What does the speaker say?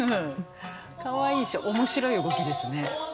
カワイイし面白い動きですね。